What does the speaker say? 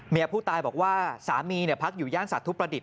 ผู้ตายบอกว่าสามีพักอยู่ย่านสาธุประดิษฐ